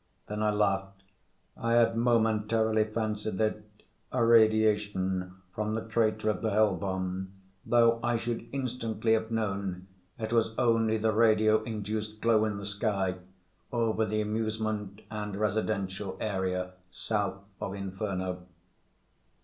Then I laughed. I had momentarily fancied it a radiation from the crater of the Hell bomb, though I should instantly have known it was only the radio induced glow in the sky over the amusement and residential area south of Inferno.